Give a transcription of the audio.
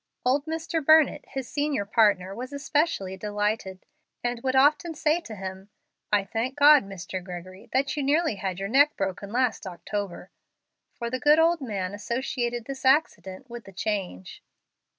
Old Mr. Burnett, his senior partner, was especially delighted, and would often say to him, "I thank God, Mr. Gregory, that you nearly had your neck broken last October"; for the good old man associated this accident with the change.